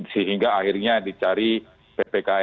sehingga akhirnya dicari ppkm skala mikro